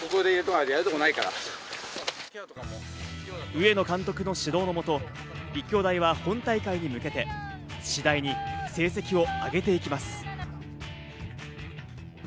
上野監督の指導のもと、立教大は本大会に向けて次第に成績を上げていきます。